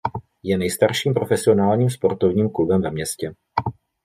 Je nejstarším profesionálním sportovním klubem ve městě.